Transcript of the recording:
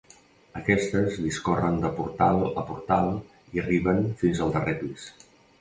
Aquestes discorren de portal a portal i arriben fins al darrer pis.